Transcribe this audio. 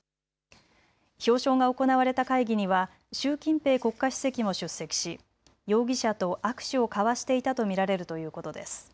表彰が行われた会議には習近平国家主席も出席し容疑者と握手を交わしていたと見られるということです。